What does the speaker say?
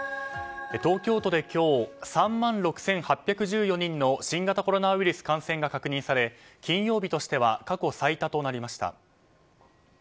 東京都で今日３万６８１４人の新型コロナウイルス感染が確認され金曜日としては過去最多となりました。